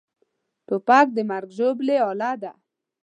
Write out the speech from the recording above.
توپک د مرګ ژوبلې اله ده.